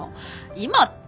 「今」って。